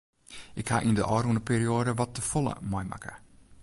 Ik ha yn de ôfrûne perioade wat te folle meimakke.